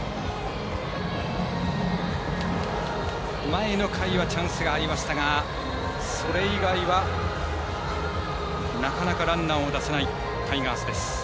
前の回はチャンスがありましたがそれ以外はなかなかランナーを出せないタイガースです。